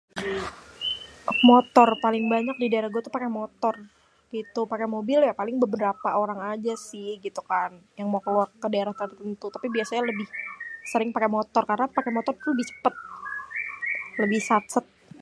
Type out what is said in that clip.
motor, di daerah gua paling banyak paké motor gitu.. paké mobil paling ya beberapa orang aja sih gitu kan yang mau ke daerah tertentu.. taoi biasanya lebih sering paké motor karena paké motor lebih cépét.. lebih satsét..